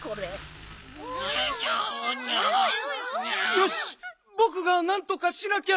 よしぼくがなんとかしなきゃ。